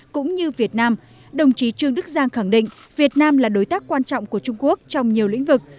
cũng như việt nam đồng chí trương đức giang khẳng định việt nam là đối tác quan trọng của trung quốc trong nhiều lĩnh vực